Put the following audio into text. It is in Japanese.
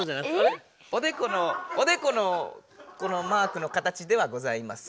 おでこのおでこのこのマークの形ではございません。